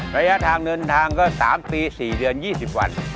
ระยะทางเดินทางก็๓ปี๔เดือน๒๐วัน